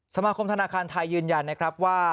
สมาคมธนาคารไทยยืนยันนะครับว่า